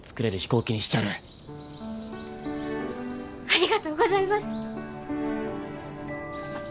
ありがとうございます！